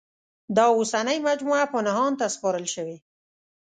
دا اوسنۍ مجموعه پنهان ته سپارل شوې.